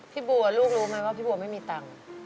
พี่บัวลูกรู้ไหมว่าพี่บัวไม่มีตังค์